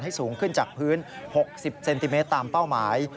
สูงขึ้นจากพื้น๖๐เซนติเมตรตามเป้าหมาย